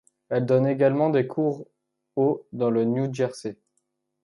Elle donne également des cours au dans le New Jersey.